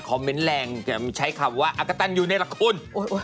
คอมเม้นต์แรงใช้คำว่าอะกะตันอยู่ในหลักคุณ